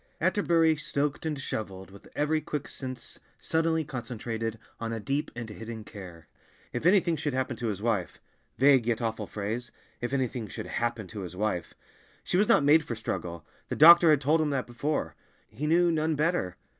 Atterbury stoked and shoveled with every quick sense suddenly concentrated on a deep and hidden care. If anything should happen to his wife—vague, yet awful phrase—if anything should "happen" to his wife! She was not made for struggle; the doctor had told him that before. He knew, none better!